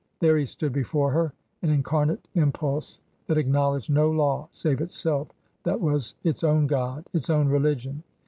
There he stood before her, an incarnate im pulse that acknowledged no law save itself, that was its own God, its own religion.